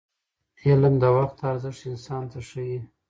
علم د وخت ارزښت انسان ته ښيي.